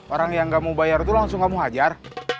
orang yang nggak mau bayar tuh langsung nggak mau hajar